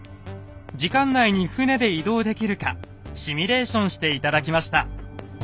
時間内に船で移動できるかシミュレーションして頂きました。